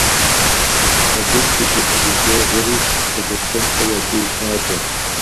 Абы шу гуп зэщӀегъури Талъостэнхэ я деж макӀуэ.